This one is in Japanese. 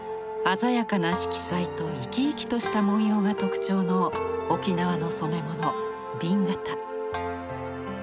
鮮やかな色彩と生き生きとした文様が特徴の沖縄の染め物紅型。